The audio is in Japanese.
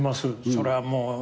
それはもう。